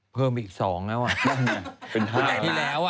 เพิ่มอีก๒แล้ว